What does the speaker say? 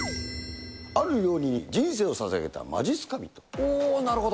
ある料理に人生をささげたまじっおー、なるほど。